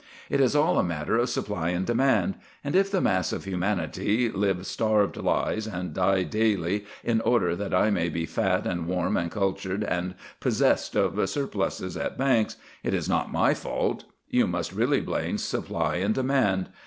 It is all a matter of supply and demand; and if the mass of humanity live starved lives and die daily in order that I may be fat and warm and cultured and possessed of surpluses at banks, it is not my fault. You must really blame supply and demand.